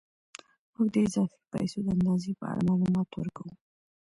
موږ د اضافي پیسو د اندازې په اړه معلومات ورکوو